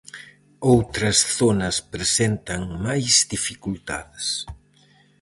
Outras zonas presentan máis dificultades.